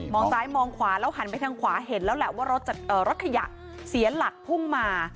ซ้ายมองขวาแล้วหันไปทางขวาเห็นแล้วแหละว่ารถขยะเสียหลักพุ่งมา